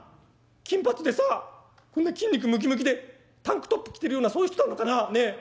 金髪でさこんな筋肉ムキムキでタンクトップ着てるようなそういう人なのかなあねえ。